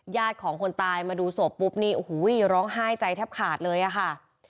ของคนตายมาดูศพปุ๊บนี่โอ้โหร้องไห้ใจแทบขาดเลยอะค่ะ